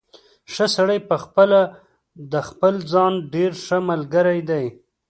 ښه سړی پخپله د خپل ځان ډېر ښه ملګری دی.